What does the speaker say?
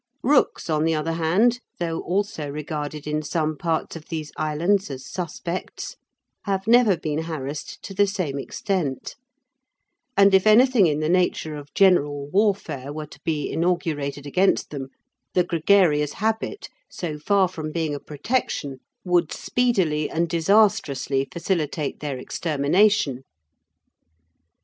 Rooks, on the other hand, though also regarded in some parts of these islands as suspects, have never been harassed to the same extent; and if anything in the nature of general warfare were to be inaugurated against them, the gregarious habit, so far from being a protection, would speedily and disastrously facilitate their extermination.